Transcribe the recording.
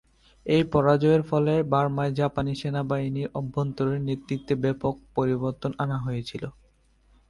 এই পরাজয়ের ফলে বার্মায় জাপানি সেনাবাহিনীর অভ্যন্তরে নেতৃত্বে ব্যাপক পরিবর্তন আনা হয়েছিল।